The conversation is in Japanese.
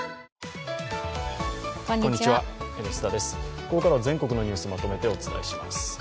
ここからは全国のニュースをまとめてお伝えします。